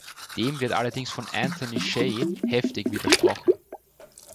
Dem wird allerdings von Anthony Shay heftig widersprochen.